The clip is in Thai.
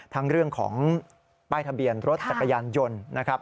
ทั้งเรื่องของป้ายทะเบียนรถจักรยานยนต์นะครับ